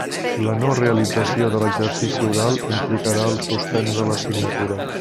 La no realització de l'exercici oral implicarà el suspens de l'assignatura.